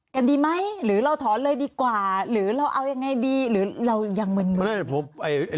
กันดีไหมหรือเราถอนเลยดีกว่าหรือเราเอายังไงดีหรือเรายังมึน